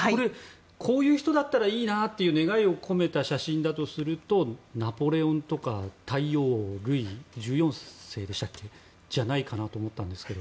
こういう人だったらいいなという願いを込めた写真だとするとナポレオンとかルイ１４世じゃないかなと思ったんですけど。